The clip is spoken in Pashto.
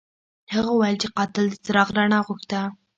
هغه وویل چې قاتل د څراغ رڼا غوښته.